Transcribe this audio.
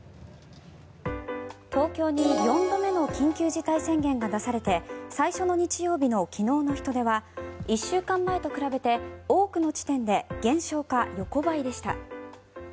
東京に４度目の緊急事態宣言が出されて最初の日曜日の昨日の人出は１週間前と比べて多くの地点で減少か横ばいでした。